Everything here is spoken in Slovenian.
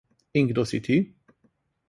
In kdo si ti?